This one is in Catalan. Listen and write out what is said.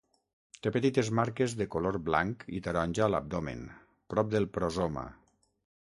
Té petites marques de color blanc i taronja a l'abdomen, prop del prosoma.